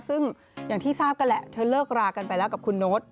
ซึ่งอย่างที่ทราบกันแหละเธอเลิกรากันไปแล้วกับคุณโน๊ต